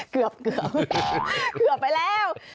เกือบเกือบไปแล้ว